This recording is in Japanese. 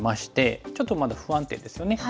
ちょっとまだ不安定ですよね。